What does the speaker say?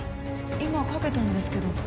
今かけたんですけど。